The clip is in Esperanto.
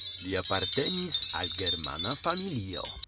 Li apartenis al germana familio.